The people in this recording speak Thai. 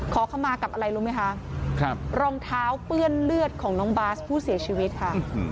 ขอเข้ามากับอะไรรู้ไหมคะรองเท้าเปื้อนเลือดของน้องบาสผู้เสียชีวิตค่ะ